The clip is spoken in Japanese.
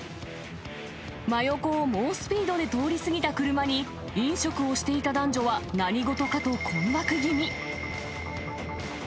真横を猛スピードで通り過ぎた車に、飲食をしていた男女は何事かと困惑気味。